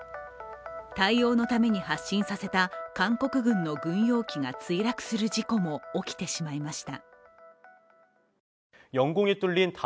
対応のために発進させた韓国軍の軍用機が墜落する事故も起きてしまいました。